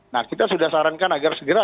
nah kita sudah sarankan agar segera